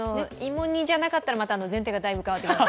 芋煮じゃなかったら、また前提がだいぶ変わってきます。